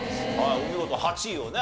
お見事８位をね